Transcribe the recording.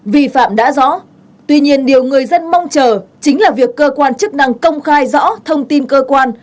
vi phạm đã rõ tuy nhiên điều người dân mong chờ chính là việc cơ quan chức năng công khai rõ thông tin cơ quan